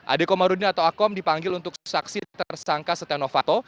adekomarudin atau akom dipanggil untuk saksi tersangka setia novanto